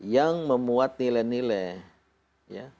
yang memuat nilai nilai